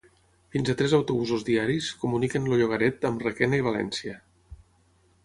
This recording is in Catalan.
Fins a tres autobusos diaris comuniquen el llogaret amb Requena i València.